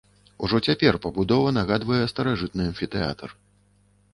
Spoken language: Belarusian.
Ужо цяпер пабудова нагадвае старажытны амфітэатр.